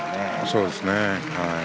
そうですね。